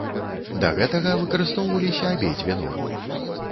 Да гэтага выкарыстоўваліся абедзве нормы.